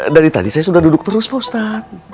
dari tadi saya sudah duduk terus ustadz